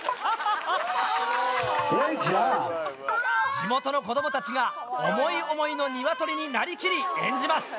地元の子どもたちが思い思いのニワトリになりきり演じます。